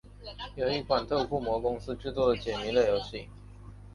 是一款由特库摩公司制作的解谜类游戏。